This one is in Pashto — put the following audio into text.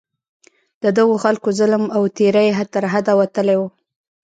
د دغو خلکو ظلم او تېری تر حده وتلی وو.